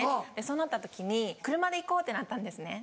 そうなった時に車で行こうってなったんですね。